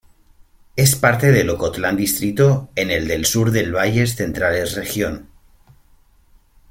Es parte del Ocotlán Distrito en el del sur del Valles Centrales Región.